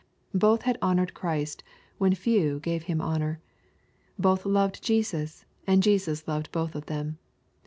Both had honored Christ when few gave Him honor. Both loved Jesus, and Jesus loved both of them.